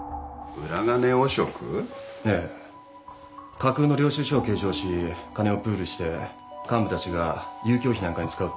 架空の領収書を計上し金をプールして幹部たちが遊興費なんかに使うっていう。